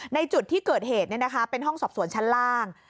ในจุดที่เกิดเหตุเป็นห้องสอบสวนชั้นล่าง